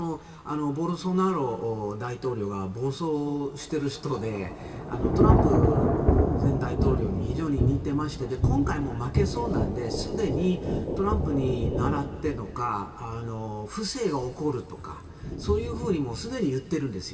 ボルソナロ大統領は暴走してる人でトランプ前大統領に非常に似ていまして今回も負けそうなのですでにトランプに倣ってなのか不正が起こるとかそういうふうにすでに言ってるんです。